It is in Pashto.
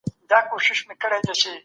د هغوی خبره ومنئ.